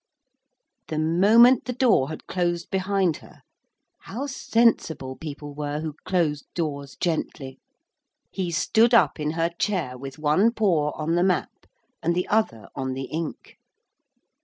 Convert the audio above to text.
_ The moment the door had closed behind her how sensible people were who closed doors gently he stood up in her chair with one paw on the map and the other on the ink.